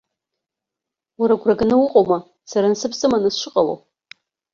Уара агәра ганы уҟоума сара насыԥ сыманы сшыҟало?